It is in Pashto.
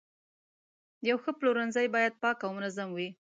یو ښه پلورنځی باید پاک او منظم وي.